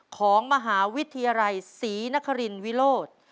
ของมหาวิทยาลัยศรีนครินวิโรธ